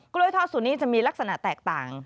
ล้วยทอดสูตรนี้จะมีลักษณะแตกต่าง